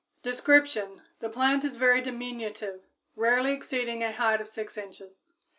Description. The plant is very diminutive, rarely exceeding a height of 6 inches.